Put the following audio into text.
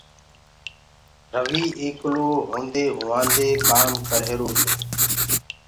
رويٚ ايڪلو هونٚدي هوآدي ڪآم ڪرريهرو تو